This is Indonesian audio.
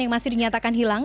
yang masih dinyatakan hilang